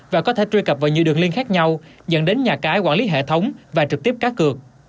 và có thể truy cập vào nhiều đường liên khác nhau dẫn đến nhà cái quản lý hệ thống và trực tiếp cá cược